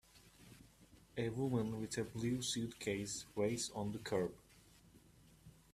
A woman with a blue suitcase waits on the curb.